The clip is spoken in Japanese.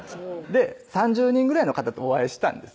３０人ぐらいの方とお会いしたんですよ